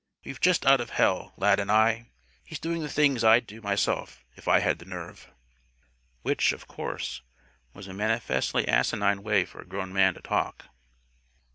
We're just out of hell Lad and I! He's doing the things I'd do myself, if I had the nerve." Which, of course, was a manifestly asinine way for a grown man to talk.